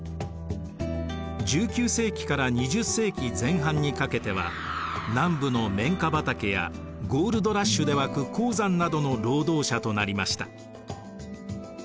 １９世紀から２０世紀前半にかけては南部の綿花畑やゴールドラッシュで沸く鉱山などの労働者となりました。